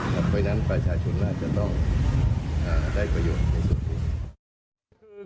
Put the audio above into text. หลังไปนั้นประชาชุนน่าจะต้องได้ประโยชน์ในส่วนคุณ